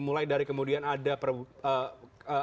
mulai dari kemudian ada perubahan